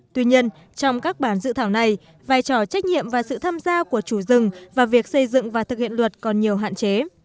tuy nhiên trong các bản dự thảo này vai trò trách nhiệm và sự tham gia của chủ rừng và việc xây dựng và thực hiện luật còn nhiều hạn chế